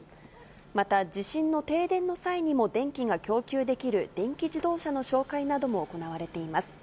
また地震の停電の際にも電気が供給できる電気自動車の紹介なども行われています。